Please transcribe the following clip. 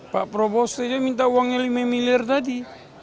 pak prabowo setidaknya minta uangnya lima miliar tadi